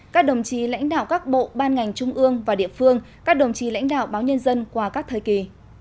các đồng chí lãnh đạo các bộ ban ngành trung ương và địa phương các đồng chí lãnh đạo báo nhân dân qua các thời kỳ